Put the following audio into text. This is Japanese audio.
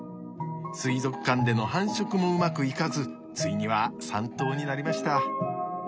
水族館での繁殖もうまくいかずついには３頭になりました。